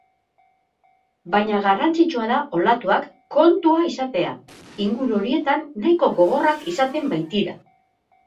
Baina garrantzitsua da olatuak kontua izatea, inguru horietan nahiko gogorrak izaten baitira.